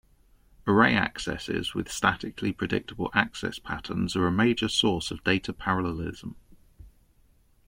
Array accesses with statically predictable access patterns are a major source of data parallelism.